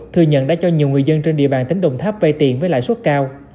thừa nhận đã cho nhiều người dân trên địa bàn tỉnh đồng tháp vây tiền với lại suất cao